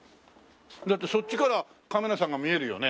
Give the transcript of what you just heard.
だってそっちからカメラさんが見えるよね。